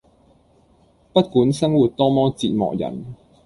不管生活多麼折磨人